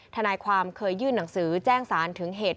ทนายความเคยยื่นหนังสือแจ้งสารถึงเหตุ